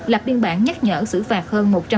lập biên bản nhắc nhở xử phạt hơn